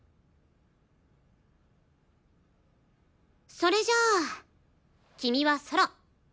それじゃあ君はソロ。